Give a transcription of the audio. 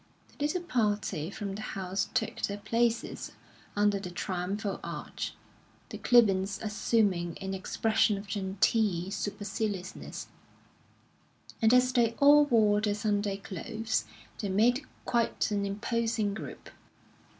The little party from the house took their places under the triumphal arch, the Clibborns assuming an expression of genteel superciliousness; and as they all wore their Sunday clothes, they made quite an imposing group.